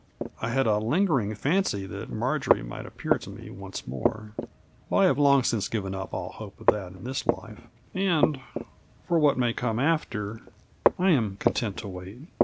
I had a lingering fancy that Marjory might appear to me once more ; but I have long since given up all hope of that in this life, and for what may come after I am content to wait.